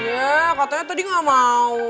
iya katanya tadi gak mau